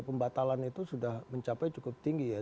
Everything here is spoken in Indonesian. pembatalan itu sudah mencapai cukup tinggi ya